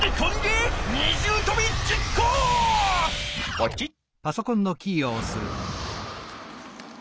ポチッ。